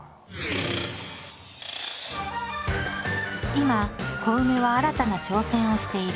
今コウメは新たな挑戦をしている。